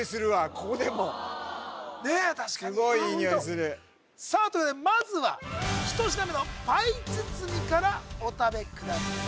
ここでもねっ確かにすごいいい匂いするさあというわけでまずは１品目のパイ包みからお食べください